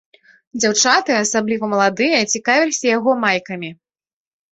Дзяўчаты, асабліва маладыя, цікавіліся яго майкамі.